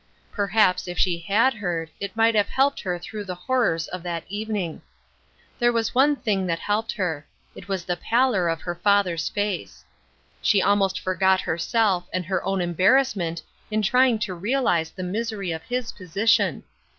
Perhaps, if she had heard, it might have helped her through the horrors of that evening. There was one thing that helped her. It was the pallor of her father's face. She almost forgot herself and her own embarrassment in try ing to realize the misery of his position.